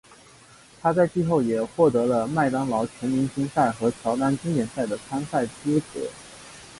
他在季后也获得了麦当劳全明星赛和乔丹经典赛的参赛资格。